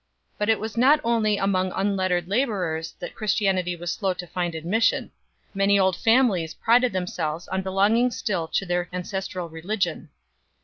But it was not only among unlettered labourers that Christianity was slow to find admission ; many old families prided themselves on be longing still to their ancestral religion.